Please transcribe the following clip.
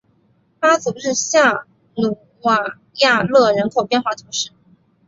巴祖日下努瓦亚勒人口变化图示